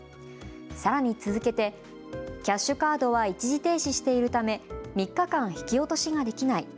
さらに続けてキャッシュカードは一時停止しているため３日間、引き落としができない。